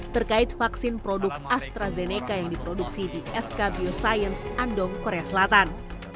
terkait vaksin produk astrazeneca yang diproduksi di sk bioscience andov korea selatan